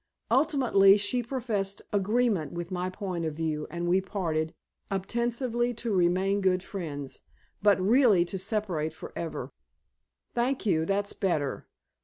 Ultimately, she professed agreement with my point of view, and we parted, ostensibly to remain good friends, but really to separate for ever." "Thank you. That's better.